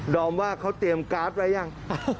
อมว่าเขาเตรียมการ์ดไว้ยัง